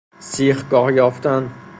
سیخگاه یافتن